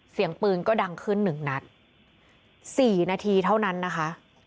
เสียงปืนก็ดังขึ้น๑นัด๔นาทีเท่านั้นนะคะ